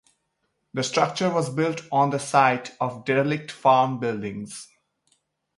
The structure was built on the site of derelict farm buildings.